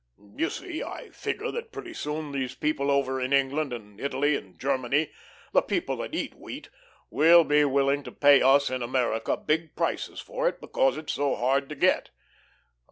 You see, I figure that pretty soon those people over in England and Italy and Germany the people that eat wheat will be willing to pay us in America big prices for it, because it's so hard to get.